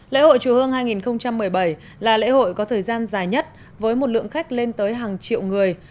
lễ hội chùa hương hai nghìn một mươi bảy là lễ hội có thời gian dài nhất với một lượng khách lên tới hàng triệu người